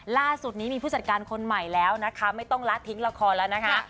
ล่าสุดนี้มีผู้จัดการคนใหม่แล้วนะคะไม่ต้องละทิ้งละครแล้วนะคะ